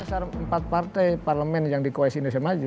sebesar empat partai parlemen yang dikoalisi indonesia maju